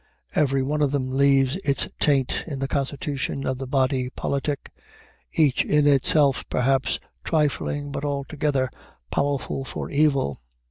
Every one of them leaves its taint in the constitution of the body politic, each in itself, perhaps, trifling, but all together powerful for evil.